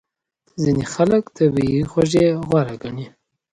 ځینې خلک طبیعي خوږې غوره ګڼي.